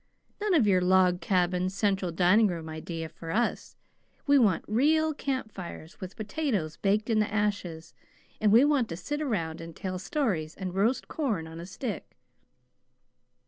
"None of your log cabin central dining room idea for us! We want real camp fires with potatoes baked in the ashes, and we want to sit around and tell stories and roast corn on a stick."